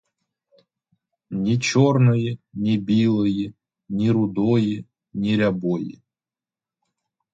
Ні чорної, ні білої, ні рудої, ні рябої.